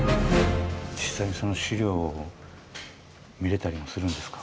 実際にその資料を見れたりもするんですか？